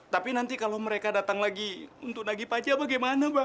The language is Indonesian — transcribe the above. tapi nanti kalau mereka datang lagi untuk nagip aja bagaimana ba